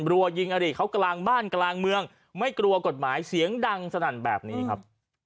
รัวยิงอดีตเขากลางบ้านกลางเมืองไม่กลัวกฎหมายเสียงดังสนั่นแบบนี้ครับ